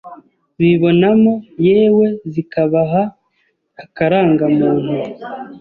bibonamo yewe zikabaha akarangamuntu